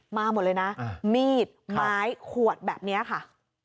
มาหมดเลยนะมีดไม้ขวดแบบนี้ค่ะ